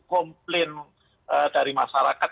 komplain dari masyarakat